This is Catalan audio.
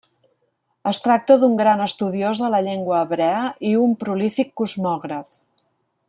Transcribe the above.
Es tracta d'un gran estudiós de la llengua hebrea i un prolífic cosmògraf.